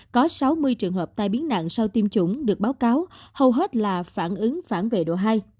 có sáu mươi trường hợp tai biến nặng sau tiêm chủng được báo cáo hầu hết là phản ứng phản vệ độ hai